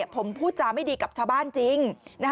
ผมพูดจาไม่ดีกับชาวบ้านจริง